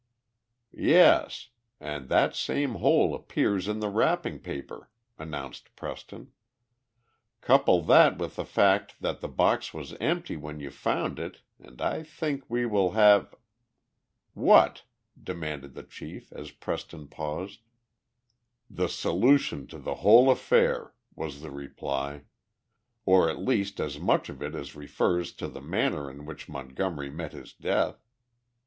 "Yes, and that same hole appears in the wrapping paper," announced Preston. "Couple that with the fact that the box was empty when you found it and I think we will have " "What?" demanded the chief, as Preston paused. "The solution to the whole affair," was the reply. "Or, at least, as much of it as refers to the manner in which Montgomery met his death.